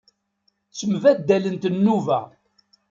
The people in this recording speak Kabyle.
Ttembaddalet nnuba.